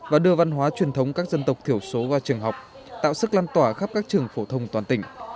và đưa văn hóa truyền thống các dân tộc thiểu số vào trường học tạo sức lan tỏa khắp các trường phổ thông toàn tỉnh